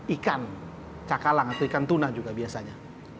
ikan cakalang atau ikan tuna juga biasanya